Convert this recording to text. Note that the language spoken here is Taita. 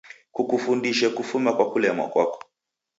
Kukufundishe kufuma kwa kulemwa kwako.